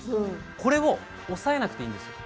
これを抑えなくていいんですよ